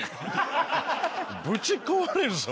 ぶち壊れるぞ。